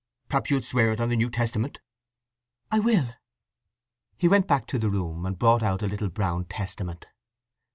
"Perhaps you'll swear it on the New Testament?" "I will." He went back to the room and brought out a little brown Testament.